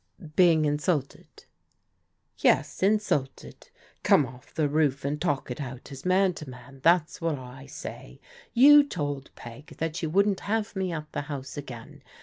"Being insulted?" " Yes, insulted. Come off the roof and talk it out as man to man, that's what I say. You told Peg that you wouldn't have me at the house again.